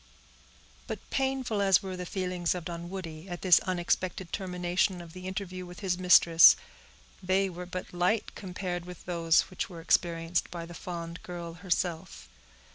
But painful as were the feelings of Dunwoodie at this unexpected termination of the interview with his mistress, they were but light compared with those which were experienced by the fond girl herself.